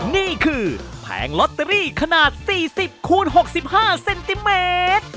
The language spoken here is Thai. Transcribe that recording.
นี่คือแผงลอตเตอรี่ขนาด๔๐คูณ๖๕เซนติเมตร